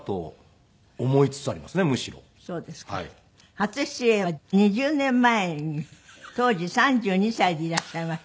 初出演は２０年前に当時３２歳でいらっしゃいました。